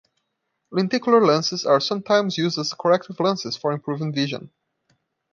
Lenticular lenses are sometimes used as corrective lenses for improving vision.